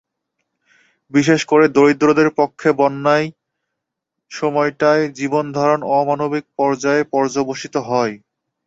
বিশেষ করে, দরিদ্রদের পক্ষে বন্যার সময়টায় জীবনধারণ অমানবিক পর্যায়ে পর্যবসিত হয়।